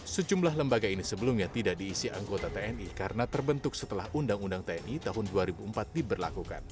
sejumlah lembaga ini sebelumnya tidak diisi anggota tni karena terbentuk setelah undang undang tni tahun dua ribu empat diberlakukan